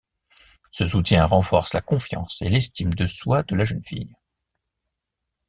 Ce soutien renforce la confiance et l’estime de soi de la jeune fille.